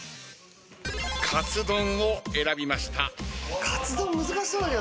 カツ丼を選びました。